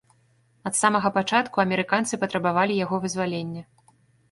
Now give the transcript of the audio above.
Ад самага пачатку амерыканцы патрабавалі яго вызвалення.